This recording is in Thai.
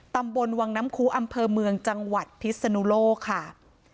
ตำบลวังน้ำคูอำเภอเมืองจังหวัดพิศนุโลกค่ะ